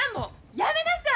やめなさい！